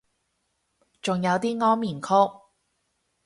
仲有啲安眠曲